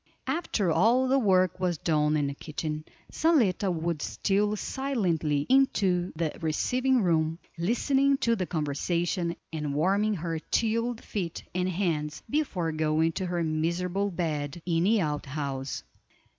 After all the work was done in the kitchen, Zaletta would steal silently into the receiving room, listening to the conversation, and warming her chilled feet and hands before going to her miserable bed in the out house.